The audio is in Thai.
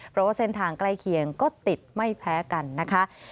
เพราะว่าเส้นทางใกล้เคียงก็ติดไม่แพ้กันนะคะ